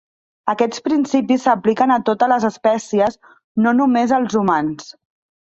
Aquests principis s'apliquen a totes les espècies no només als humans.